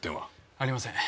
ありません。